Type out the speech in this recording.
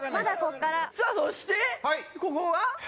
さあそしてここは？